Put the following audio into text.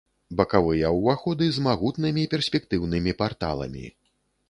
Бакавыя ўваходы з магутнымі перспектыўнымі парталамі.